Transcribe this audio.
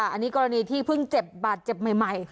อันนี้กรณีที่เพิ่งเจ็บบาดเจ็บใหม่